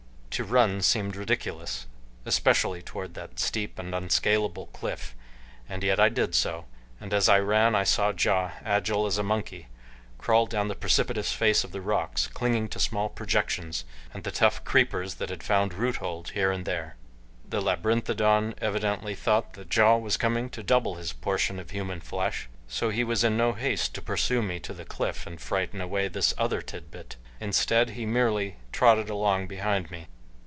To run seemed ridiculous, especially toward that steep and unscalable cliff, and yet I did so, and as I ran I saw Ja, agile as a monkey, crawl down the precipitous face of the rocks, clinging to small projections, and the tough creepers that had found root hold here and there. The labyrinthodon evidently thought that Ja was coming to double his portion of human flesh, so he was in no haste to pursue me to the cliff and frighten away this other tidbit. Instead he merely trotted along behind me.